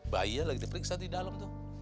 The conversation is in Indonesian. bayi lagi diperiksa di dalam